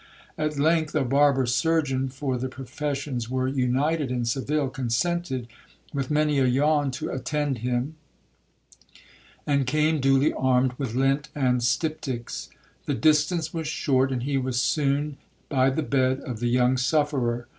At length a barber surgeon (for the professions were united in Seville) consented, with many a yawn, to attend him, and came duly armed with lint and styptics. The distance was short, and he was soon by the bed of the young sufferer.